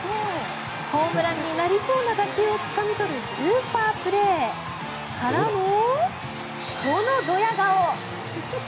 ホームランになりそうな打球をつかみ取るスーパープレー。からの、このドヤ顔。